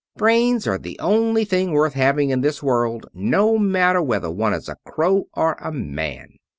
Brains are the only things worth having in this world, no matter whether one is a crow or a man.